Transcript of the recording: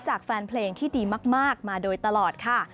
จากแฟนเพลงที่ดีมากมาโดยตลอดค่ะ